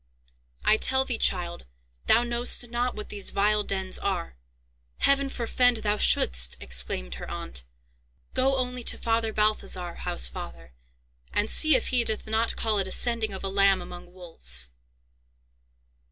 "I tell thee, child, thou knowst not what these vile dens are. Heaven forfend thou shouldst!" exclaimed her aunt. "Go only to Father Balthazar, housefather, and see if he doth not call it a sending of a lamb among wolves."